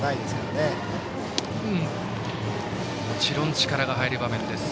もちろん力が入る場面です。